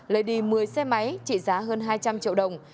lấy đi một mươi xe máy trị giá hơn hai trăm linh triệu đồng